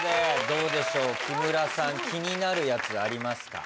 どうでしょう木村さん気になるやつありますか？